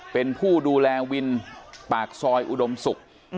เป็นผู้ดูแลวินปากซอยอุดมศุกร์